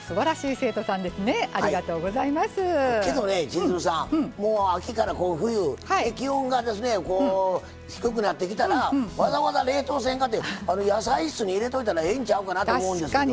千鶴さんもう秋からこう冬気温が低くなってきたらわざわざ冷凍せんかて野菜室に入れといたらええんちゃうかなと思うんですけど。